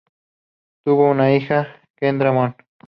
Tuvo una hija, Kendra Mon.